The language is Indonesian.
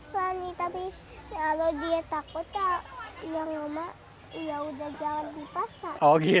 berani tapi kalau dia takut yang rumah ya udah jangan dipaksa